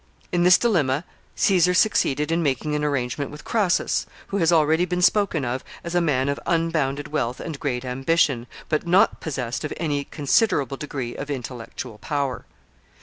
In this dilemma, Caesar succeeded in making an arrangement with Crassus, who has already been spoken of as a man of unbounded wealth and great ambition, but not possessed of any considerable degree of intellectual power.